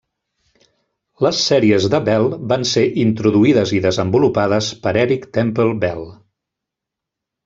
Les sèries de Bell van ser introduïdes i desenvolupades per Eric Temple Bell.